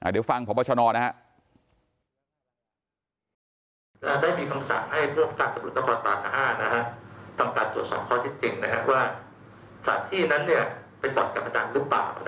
เดี๋ยวฟังพระบัชนอนนะครับ